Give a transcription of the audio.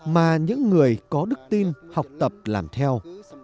mà những người có đức tin học tập làm theo